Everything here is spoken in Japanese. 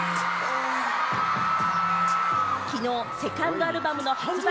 きのう、セカンドアルバムの発売